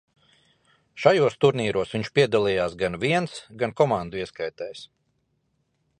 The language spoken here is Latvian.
Šajos turnīros viņš piedalījās gan viens, gan komandu ieskaitēs.